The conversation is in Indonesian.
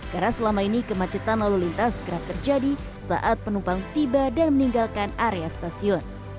karena selama ini kemacetan lalu lintas kerap terjadi saat penumpang tiba dan meninggalkan area stasiun